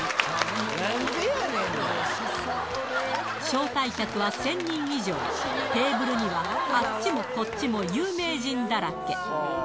招待客は１０００人以上テーブルにはあっちもこっちも有名人だらけ